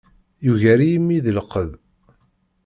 Yugar-iyi mmi di lqedd.